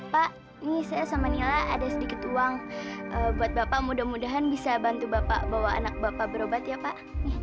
pak ini saya sama nila ada sedikit uang buat bapak mudah mudahan bisa bantu bapak bawa anak bapak berobat ya pak